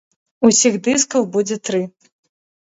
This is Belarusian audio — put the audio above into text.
Усіх дыскаў будзе тры.